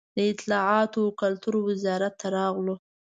د اطلاعات و کلتور وزارت ته راغلو.